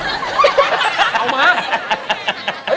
เอามา